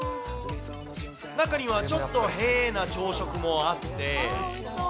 中にはちょっとへぇな朝食もあって。